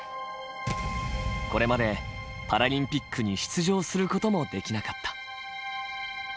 これまで、パラリンピックに出場することもできなかった。